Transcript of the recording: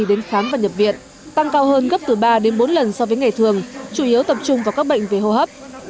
đến khám và nhập viện tăng cao hơn gấp từ ba đến bốn lần so với ngày thường chủ yếu tập trung vào các bệnh về hô hấp